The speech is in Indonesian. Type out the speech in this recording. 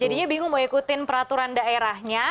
jadinya bingung mau ikutin peraturan daerahnya